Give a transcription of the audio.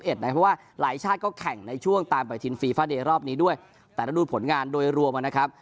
เพราะว่าหลายชาติก็แข่งในช่วงตามไปทีนฟีฟาเดย์รอบนี้ด้วยแต่ละดูดผลงานโดยรวมนะครับ